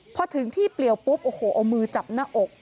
พอถึงที่เปลี่ยวปุ๊บโอ้โหเอามือจับหน้าอก